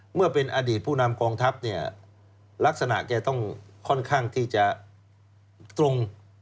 เมื่อเป็นอดีตผู้นำกองทัพเนี่ยลักษณะแกต้องค่อนข้างที่จะตรง